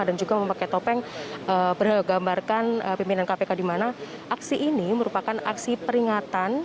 dan juga memakai topeng bergambarkan pimpinan kpk di mana aksi ini merupakan aksi peringatan